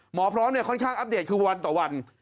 หมอพร้อมค่อนข้างอัปเดตคือวันต่อวัน